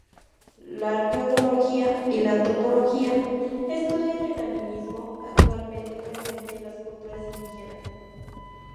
La arqueología y la antropología estudian el animismo actualmente presente en las culturas indígenas.